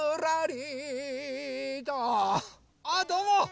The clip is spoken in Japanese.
ああどうも。